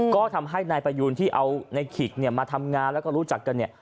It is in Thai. ก็ทำให้นายประยูนที่เอาในขิกมาทำงานแล้วก็รู้จักกันเนี่ย